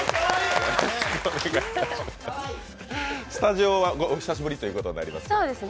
スタジオはお久しぶりということになります。